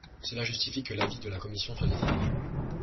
Cela justifie que l’avis de la commission soit défavorable.